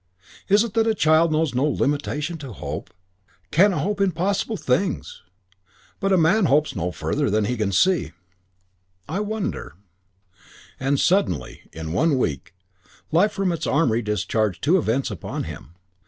Is it that a child knows no limitation to hope? It can hope impossible things. But a man hopes no further than he can see I wonder " And suddenly, in one week, life from its armoury discharged two events upon him.